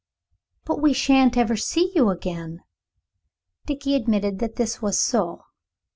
"But we shan't ever see you again." Dickie admitted that this was so.